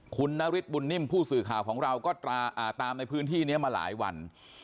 คุณนฤทธบุญนิ่มผู้สื่อข่าวของเราก็ตามในพื้นที่นี้มาหลายวัน